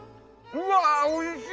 うわー、おいしい！